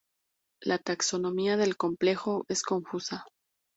La taxonomía del complejo es confusa.